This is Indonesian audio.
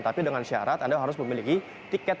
tapi dengan syarat anda harus memiliki tiket